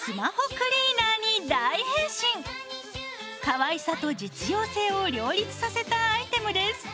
かわいさと実用性を両立させたアイテムです。